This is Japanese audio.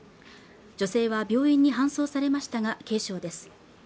女性は病院に搬送されましたが軽傷です